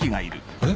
あれ？